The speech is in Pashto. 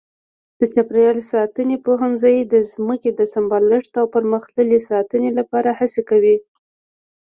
د چاپېریال ساتنې پوهنځی د ځمکې د سمبالښت او پرمختللې ساتنې لپاره هڅې کوي.